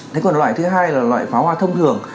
thế còn loại thứ hai là loại pháo hoa thông thường